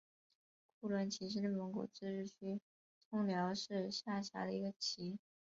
库伦旗是内蒙古自治区通辽市下辖的一个旗。